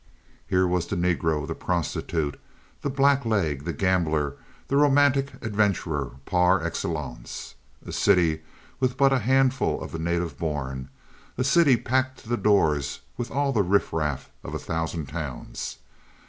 Here was the negro, the prostitute, the blackleg, the gambler, the romantic adventurer par excellence. A city with but a handful of the native born; a city packed to the doors with all the riffraff of a thousand towns.